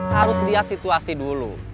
harus lihat situasi dulu